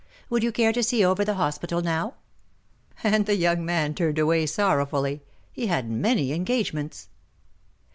Would you care to see over the hospital now ?" And the young man turned away sorrowfully, — he had many engagements.